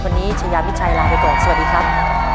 วันนี้ชายามิชัยลาไปก่อนสวัสดีครับ